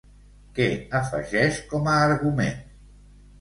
Què afegeix com a argument?